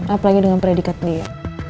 apalagi dengan predikat dia